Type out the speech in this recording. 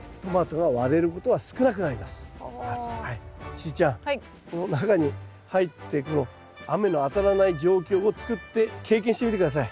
しーちゃんこの中に入って雨の当たらない状況を作って経験してみて下さい。